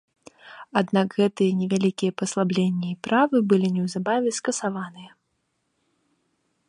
Аднак, гэтыя невялікія паслабленні і правы былі неўзабаве скасаваныя.